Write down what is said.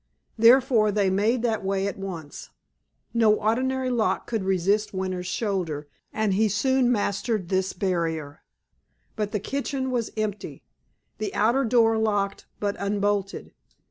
Therefore, they made that way at once. No ordinary lock could resist Winter's shoulder, and he soon mastered this barrier. But the kitchen was empty—the outer door locked but unbolted.